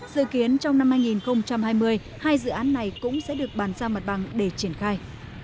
dự kiến trong năm hai nghìn hai mươi hai dự án này cũng sẽ được bàn giao mặt bằng để triển khai